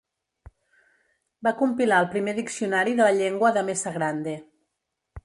Va compilar el primer diccionari de la llengua de Mesa Grande.